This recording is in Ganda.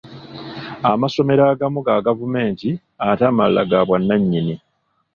Amasomero agamu ga gavumenti ate amalala gabwannanyini.